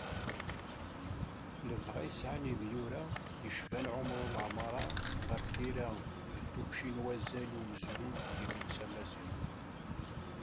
Lebɣi i yesɛan yimyura, yecban Ɛumer Uleɛmara, ɣer tira d tukci n wazal i umezruy d yidles amaziɣ.